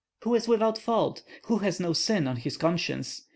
Who is without fault? Who has no sin on his conscience?